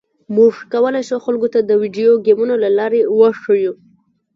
موږ کولی شو خلکو ته د ویډیو ګیمونو لارې وښیو